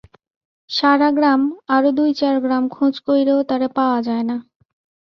সারা গ্রাম, আরও দুই চার গ্রাম খোঁজ কইরেও তারে পাওয়া যায় না।